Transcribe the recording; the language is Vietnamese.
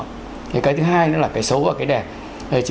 thì cái thứ hai nữa là cái xấu và cái đẹp